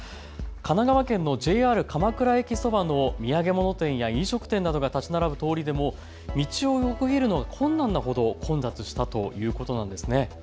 神奈川県のＪＲ鎌倉駅そばの土産物店や飲食店などが建ち並ぶ通りでも道を横切るのが困難なほど混雑したということなんですね。